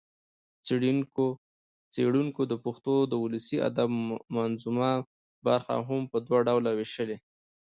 څېړنکو د پښتو د ولسي ادب منظومه برخه هم په دوه ډوله وېشلې